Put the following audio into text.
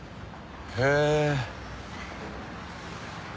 へえ。